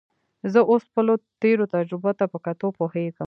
زه اوس خپلو تېرو تجربو ته په کتو پوهېږم.